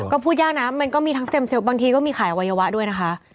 ก็พูดยากนะมันก็มีทั้งเซ็ปบางทีก็มีขายอวัยวะด้วยนะคะ